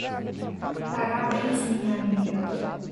Parabéns minha amiga.